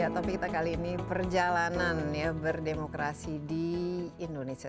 tapi kita kali ini perjalanan berdemokrasi di indonesia